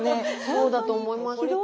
そうだと思います。